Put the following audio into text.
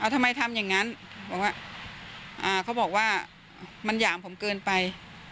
ทำไมทำอย่างนั้นบอกว่าเขาบอกว่ามันหยามผมเกินไป